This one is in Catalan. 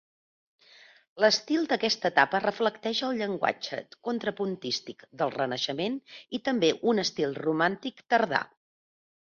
L’estil d’aquesta etapa reflecteix el llenguatge contrapuntístic del renaixement i també un estil romàntic tardà.